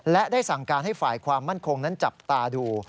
และได้สั่งการให้ฝ่ายความมั่นคงนั้นจับตาดู